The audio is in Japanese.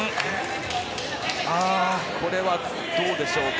これはどうでしょうか。